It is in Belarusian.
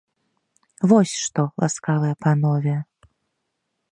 Вось што, ласкавыя панове!